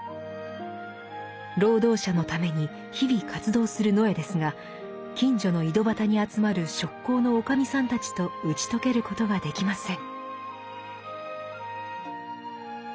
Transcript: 労働者のために日々活動する野枝ですが近所の井戸端に集まる職工のおかみさんたちと打ち解けることができません。